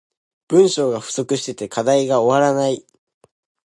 文章が不足してて課題が終わらない